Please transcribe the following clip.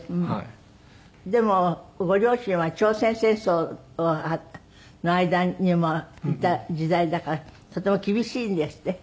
でもご両親は朝鮮戦争の間にもいた時代だからとても厳しいんですって？